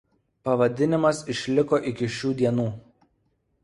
Pavadinimas išliko iki šių dienų.